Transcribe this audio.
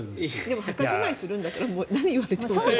でも墓じまいするんだから何言われても。